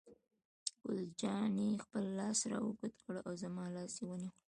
ګل جانې خپل لاس را اوږد کړ او زما لاس یې ونیو.